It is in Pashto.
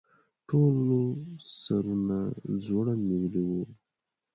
ټولو سرونه ځوړند نیولي وو.